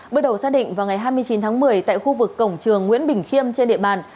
bước đầu xác định vào ngày hai mươi chín tháng một mươi tại khu vực cổng trường nguyễn bình khiêm trên địa bàn